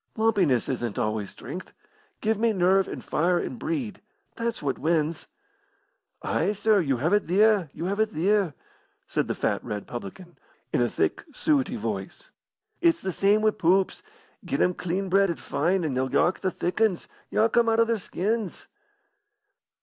"Lumpiness isn't always strength. Give me nerve and fire and breed. That's what wins." "Ay, sir, you have it theer you have it theer!" said the fat, red faced publican, in a thick suety voice. "It's the same wi' poops. Get 'em clean bred an' fine, an' they'll yark the thick 'uns yark 'em out o' their skins."